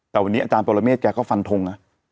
แต่วันนี้อาจารย์ปรเมฆแกก็ฟันทงนะ